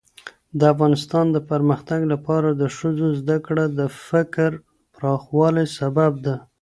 . د افغانستان د پرمختګ لپاره د ښځو زدهکړه د فکر پراخوالي سبب ده